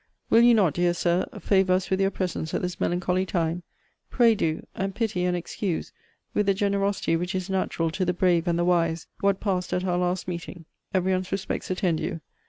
Will you not, dear Sir, favour us with your presence at this melancholy time? Pray do and pity and excuse, with the generosity which is natural to the brave and the wise, what passed at our last meeting. Every one's respects attend you.